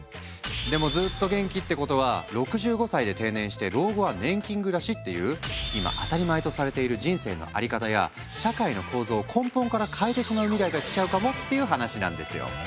でもずっと元気ってことは６５歳で定年して老後は年金暮らしっていう今当たり前とされている人生の在り方や社会の構造を根本から変えてしまう未来が来ちゃうかもっていう話なんですよ！